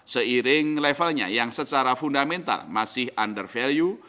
seiring levelnya yang secara fundamental masih under value